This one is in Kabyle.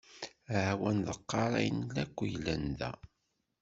Aha-w ad nḍeqqer ayen akk yellan da.